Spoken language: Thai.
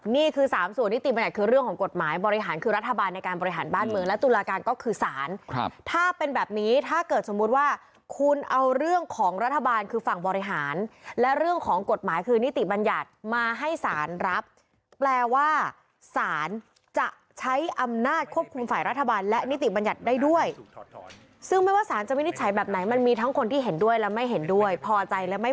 นี่คือสามส่วนนิติบรรยัติคือเรื่องของกฎหมายบริหารคือรัฐบาลในการบริหารบ้านเมืองและตุลาการก็คือสารถ้าเป็นแบบนี้ถ้าเกิดสมมุติว่าคุณเอาเรื่องของรัฐบาลคือฝั่งบริหารและเรื่องของกฎหมายคือนิติบรรยัติมาให้สารรับแปลว่าสารจะใช้อำนาจควบคุมฝ่ายรัฐบาลและนิติบรรยัติได้ด้วยซ